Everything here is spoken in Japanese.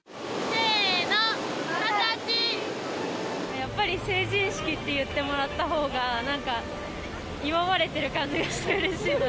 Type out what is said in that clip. やっぱり成人式って言ってもらったほうが、なんか祝われてる感じがしてうれしいです。